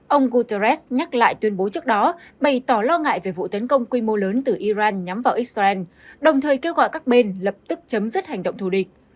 ông guterres nhắc lại tuyên bố trước đó bày tỏ lo ngại về vụ tấn công quy mô lớn từ iran nhắm vào israel đồng thời kêu gọi các bên lập tức chấm dứt hành động thù địch